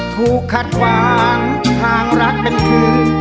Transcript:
ถูกขัดขวางทางรักเป็นคืน